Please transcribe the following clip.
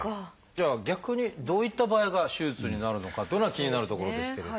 じゃあ逆にどういった場合が手術になるのかっていうのが気になるところですけれど。